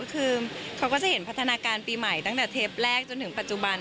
คือเขาก็จะเห็นพัฒนาการปีใหม่ตั้งแต่เทปแรกจนถึงปัจจุบัน